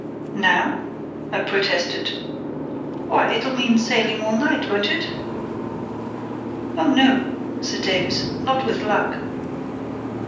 "Now?" I protested. "Why, it'll mean sailing all night, won't it?" "Oh, no," said Davies. "Not with luck."